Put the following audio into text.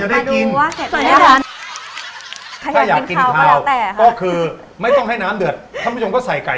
ใครอยากกินไก่สดก็ไม่ต้องใส่ไก่ลงไปเลย